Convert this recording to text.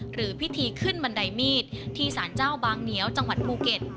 หรือพิธีขึ้นบันไดมีดที่สารเจ้าบางเหนียวจังหวัดภูเก็ต